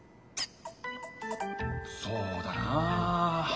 そうだな。